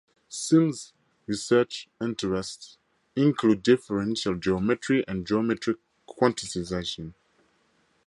Simms' research interests include differential geometry and geometric quantisation.